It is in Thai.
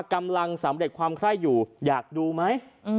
กำลังสำเร็จความใคร่อยู่อยากดูไหม